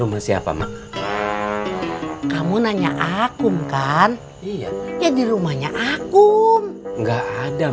rumah siapa mak kamu nanya akum kan iya ya di rumahnya akum enggak ada